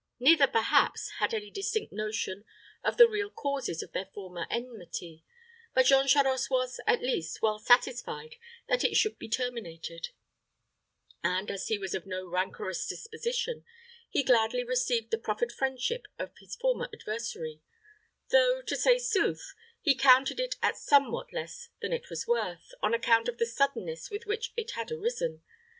Neither, perhaps, had any distinct notion of the real causes of their former enmity; but Jean Charost was, at least, well satisfied that it should be terminated; and, as he was of no rancorous disposition, he gladly received the proffered friendship of his former adversary; though, to say sooth, he counted it at somewhat less than it was worth, on account of the suddenness with which it had arisen.